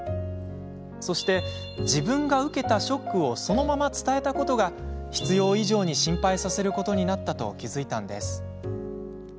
そして、自分が受けたショックをそのまま伝えたことが必要以上に心配させることになったと気付いたんです。